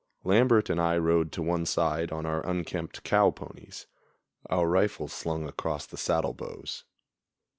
Lambert and I rode to one side on our unkempt cow ponies, our rifles slung across the saddle bows.